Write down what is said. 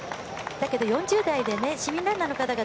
だけど、４０代で市民ランナーの方々